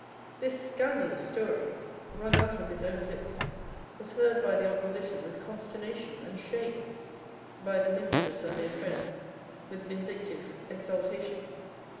This scandalous story, wrung out of his own lips, was heard by the opposition with consternation and shame, by the ministers and their friends with vindictive exultation.